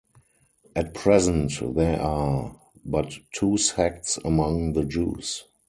At present there are but two sects among the Jews.